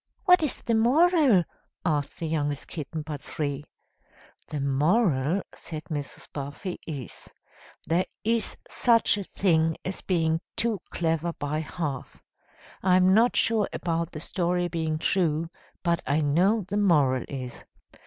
"What is the moral?" asked the youngest kitten but three. "The moral," said Mrs. Buffy, "is, 'There is such a thing as being too clever by half.' I'm not sure about the story being true, but I know the moral is.